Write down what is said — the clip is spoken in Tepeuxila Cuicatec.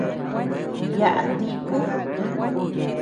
Yaʼa tíku.